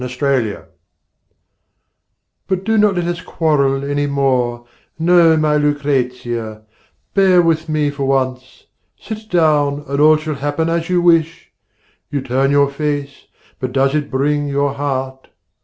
8 Autoplay But do not let us quarrel any more, No, my Lucrezia; bear with me for once: Sit down and all shall happen as you wish. You turn your face, but does it bring your heart?